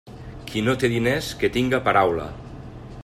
Qui no té diners, que tinga paraula.